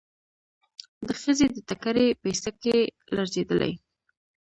د ښځې د ټکري پيڅکې لړزېدلې.